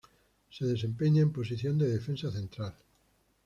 Se desempeña en posición de defensa central.